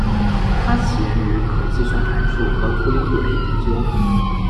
它起源于可计算函数和图灵度的研究。